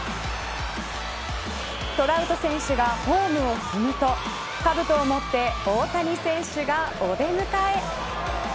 トラウト選手がホームを踏むとかぶとを持って大谷選手がお出迎え